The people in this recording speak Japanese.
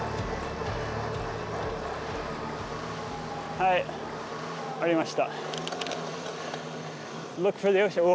はいありました。